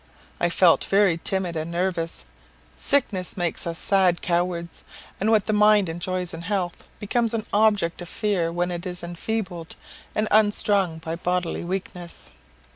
I felt very timid and nervous. Sickness makes us sad cowards, and what the mind enjoys in health, becomes an object of fear when it is enfeebled and unstrung by bodily weakness.